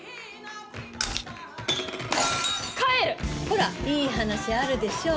ほらいい話あるでしょ